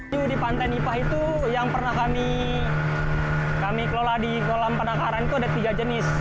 hiu di pantai nipah itu yang pernah kami kelola di kolam penangkaran itu ada tiga jenis